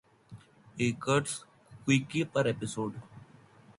Acres Quickie per episode.